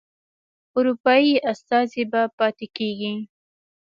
اروپایي استازی به پاتیږي.